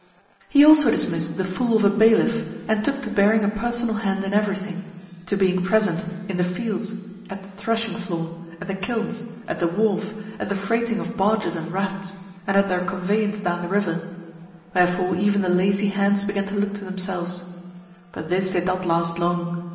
He also dismissed the fool of a bailiff, and took to bearing a personal hand in everything to being present in the fields, at the threshing floor, at the kilns, at the wharf, at the freighting of barges and rafts, and at their conveyance down the river: wherefore even the lazy hands began to look to themselves. But this did not last long.